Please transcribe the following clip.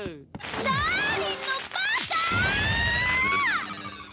ダーリンのバカ！